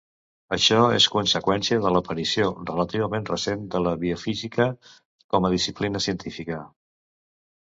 Això és conseqüència de l'aparició relativament recent de la biofísica com a disciplina científica.